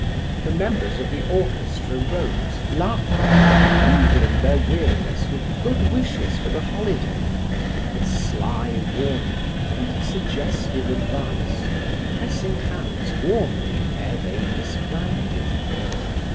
The members of the orchestra rose, laughing, mingling their weariness with good wishes for the holiday, with sly warning and suggestive advice, pressing hands warmly ere they disbanded.